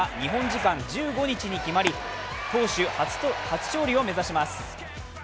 時間１５日に決まり投手初勝利を目指します。